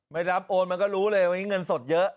ไม่รับโอนมันก็รู้เลยวันนี้เงินสดเยอะ